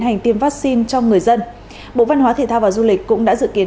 hành tiêm vắc xin cho người dân bộ văn hóa thể thao và du lịch cũng đã dự kiến